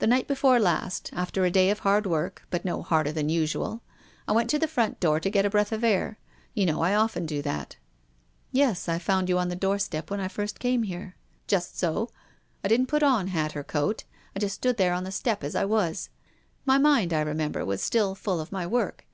The night before last, after a day of hard work — but no harder than usual — I w ent to the front door to get a breath of air. You know I often do that." "Yes, I found you on the doorstep when I first came here." " Just so. I didn't put on hat or coat. I just stood on the step as I was. My mind, I re member, was still full of my work.